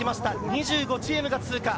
２５チームが通過。